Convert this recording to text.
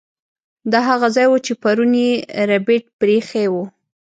دا هغه ځای و چې پرون یې ربیټ پریښی و